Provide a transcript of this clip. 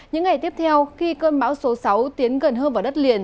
những ngày tiếp theo khi cơn bão số sáu tiến gần hơn vào đất liền